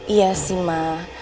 iya sih ma